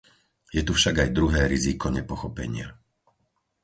Je tu však aj druhé riziko nepochopenia.